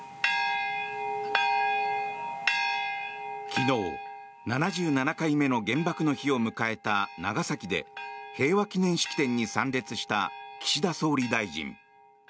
昨日、７７回目の原爆の日を迎えた長崎で平和祈念式典に参列した岸田総理大臣。